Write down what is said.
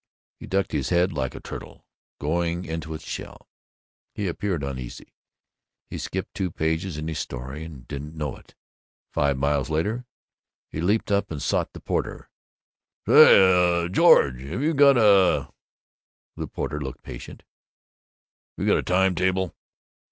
He ducked his head, like a turtle going into its shell; he appeared uneasy; he skipped two pages in his story and didn't know it. Five miles later, he leaped up and sought the porter. "Say, uh, George, have you got a " The porter looked patient. "Have you got a time table?"